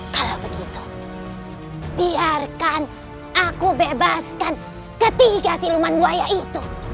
kalau begitu biarkan aku bebaskan ketiga siluman buaya itu